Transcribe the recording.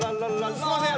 すいません。